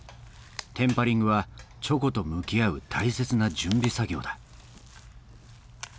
テンパリングはチョコと向き合う大切な準備作業だ